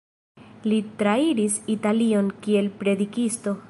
Li trairis Italion kiel predikisto.